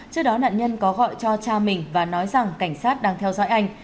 trước đó nạn nhân có gọi cho cha mình và nói rằng cảnh sát đang theo dõi anh